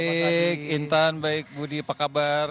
baik intan baik budi apa kabar